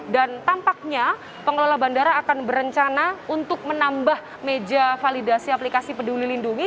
dan tampaknya pengelola bandara akan berencana untuk menambah meja validasi aplikasi peduli lindungi